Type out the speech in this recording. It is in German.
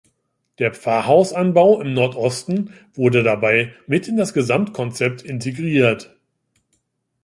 Der Pfarrhaus-Anbau im Nordosten wurde dabei mit in das Gesamtkonzept integriert.